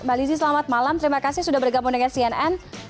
mbak lizzie selamat malam terima kasih sudah bergabung dengan cnn